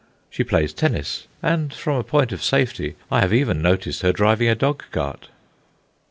She plays tennis, and, from a point of safety, I have even noticed her driving a dog cart.